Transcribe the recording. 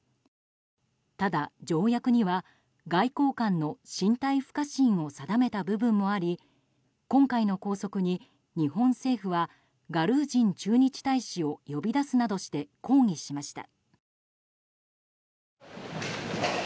ただ条約には、外交官の身体不可侵を定めた部分もあり今回の拘束に、日本政府はガルージン駐日大使を呼び出すなどして抗議しました。